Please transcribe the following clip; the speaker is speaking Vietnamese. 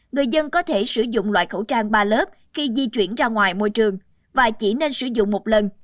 người dân có thể sử dụng loại khẩu trang ba lớp khi di chuyển ra ngoài môi trường và chỉ nên sử dụng một lần